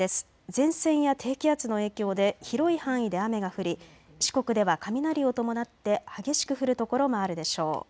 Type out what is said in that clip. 前線や低気圧の影響で広い範囲で雨が降り四国では雷を伴って激しく降る所もあるでしょう。